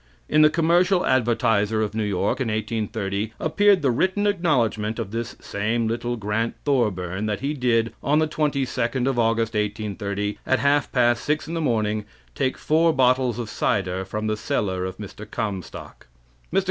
In The Commercial Advertiser of New York, in 1830, appeared the written acknowledgement of this same little Grant Thorburn that he did, on the 22d of August, 1830, at half past 6 in the morning, take four bottles of cider from the cellar of Mr. Comstock. Mr.